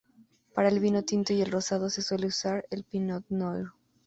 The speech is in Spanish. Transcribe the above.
Para el vino tinto y el rosado se suele usar la pinot noir.